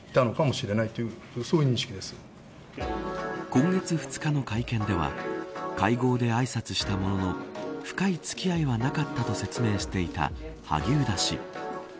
今月２日の会見では会合で、あいさつしたものの深い付き合いはなかったと説明していた萩生田氏。